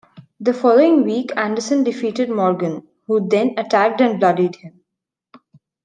The following week Anderson defeated Morgan, who then attacked and bloodied him.